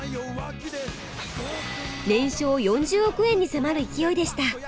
年商４０億円に迫る勢いでした。